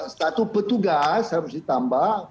status petugas harus ditambah